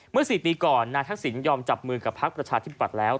เมื่อ๔ปีก่อนนายทักษิณยอมจับมือกับภักดิ์ประชาธิบัตรแล้ว